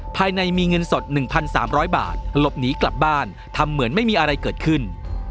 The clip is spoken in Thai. ภายในมีเงินสดหนึ่งพันสามร้อยบาทหลบหนีกลับบ้านทำเหมือนไม่มีอะไรเกิดขึ้น